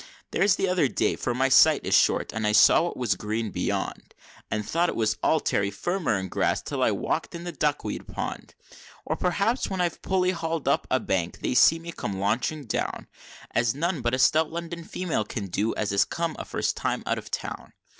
There's the other day, for my sight is short, and I saw what was green beyond, And thought it was all terry firmer and grass till I walked in the duckweed pond: Or perhaps when I've pully hauled up a bank they see me come launching down, As none but a stout London female can do as is come a first time out of town.